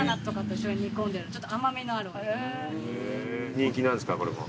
人気なんですかこれも。